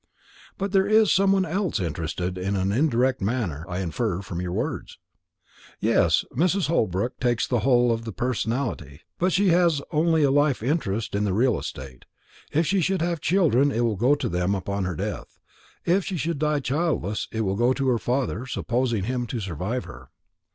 "But there is some one else interested in an indirect manner I infer from your words?" "Yes. Mrs. Holbrook takes the whole of the personalty, but she has only a life interest in the real estate. If she should have children, it will go to them on her death; if she should die childless, it will go to her father, supposing him to survive her."